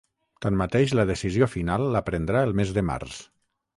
Tanmateix, la decisió final la prendrà el mes de març.